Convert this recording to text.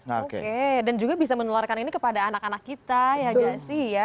oke dan juga bisa menularkan ini kepada anak anak kita ya jasi ya